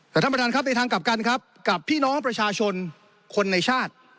แต่ท่านประธานครับในทางกลับกันครับกับพี่น้องประชาชนคนในชาติ